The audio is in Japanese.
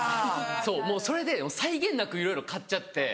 そうもうそれで際限なくいろいろ買っちゃって。